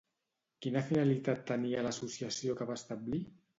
Quina finalitat tenia l'associació que va establir?